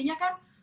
itu tuh itu tuh